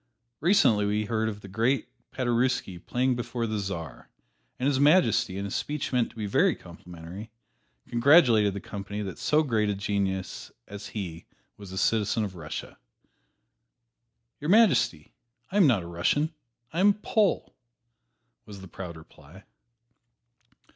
Recently we heard of the great Paderewski playing before the Czar, and His Majesty, in a speech meant to be very complimentary, congratulated the company that so great a genius as he was a citizen of Russia. "Your Majesty, I am not a Russian I am a Pole!" was the proud reply.